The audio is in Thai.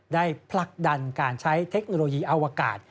ผลักดันการใช้เทคโนโลยีอวกาศ